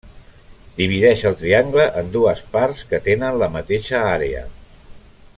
Divideix el triangle en dues parts que tenen la mateixa àrea.